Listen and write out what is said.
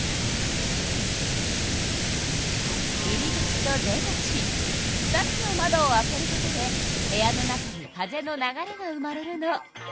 入り口と出口２つの窓を開けることで部屋の中に風の流れが生まれるの。